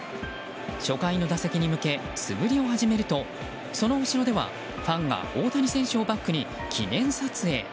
初回の打席に向け素振りを始めるとその後ろではファンが大谷選手をバックに記念撮影。